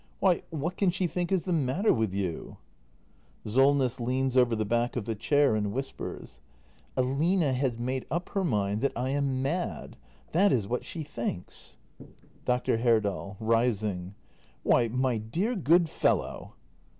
Why, what can she think is the matter with you ? SOLNESS. [Leans over the back of the chair and whispers.] Aline has made up her mind that I am mad. That is what she thinks. Dr. Herdal. [Rising.] Why, my dear good fellow